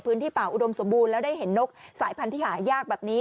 พื้นที่ป่าอุดมสมบูรณ์แล้วได้เห็นนกสายพันธุ์ที่หายากแบบนี้